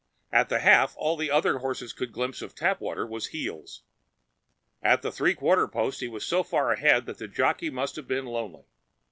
At the half, all the other horses could glimpse of Tapwater was heels. At the three quarter post he was so far ahead that the jockey must have been lonely.